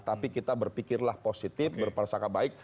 tapi kita berpikirlah positif berpersangka baik